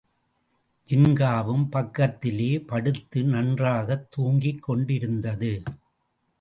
ஜின்காவும் பக்கத்திலே படுத்து நன்றாகத் தூங்கிக்கொண்டிருந்தது.